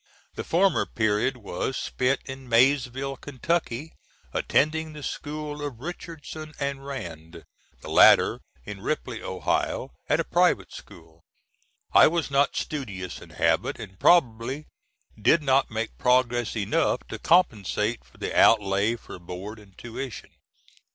The former period was spent in Maysville, Kentucky, attending the school of Richardson and Rand; the latter in Ripley, Ohio, at a private school. I was not studious in habit, and probably did not make progress enough to compensate for the outlay for board and tuition.